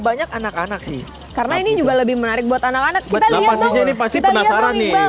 banyak anak anak sih karena ini juga lebih menarik buat anak anak kita jadi pasti penasaran